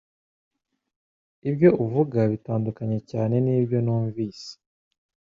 Ibyo uvuga bitandukanye cyane nibyo numvise